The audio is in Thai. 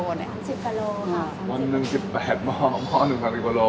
๑วัน๑๘หม้อหม้อ๓๐กวลโล